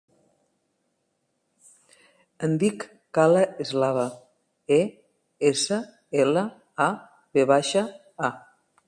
Em dic Kala Eslava: e, essa, ela, a, ve baixa, a.